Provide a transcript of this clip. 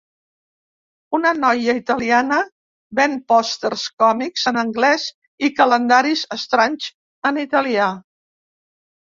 Una noia italiana ven pòsters còmics en anglès i calendaris estranys en italià.